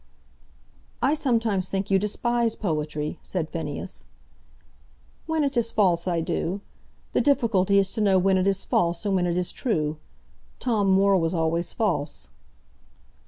"I sometimes think you despise poetry," said Phineas. "When it is false I do. The difficulty is to know when it is false and when it is true. Tom Moore was always false."